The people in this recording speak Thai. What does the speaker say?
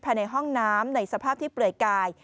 ภายในห้องน้ำในสภาพที่เปลือยกาย